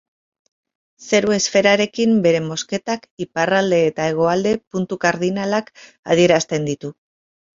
Zeru-esferarekin bere mozketak, iparralde eta hegoalde puntu kardinalak adierazten ditu.